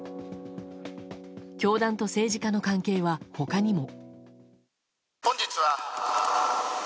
教団と政治家の関係は他にも。